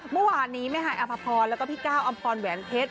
เมื่อวานนี้แม่ฮายอภพรแล้วก็พี่ก้าวอำพรแหวนเพชร